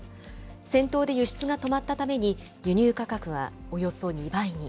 戦闘で輸出が止まったために、輸入価格はおよそ２倍に。